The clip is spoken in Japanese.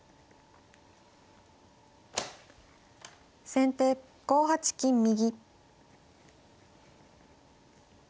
先手５八金右。